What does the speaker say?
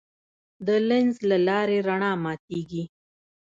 د لینز له لارې رڼا ماتېږي.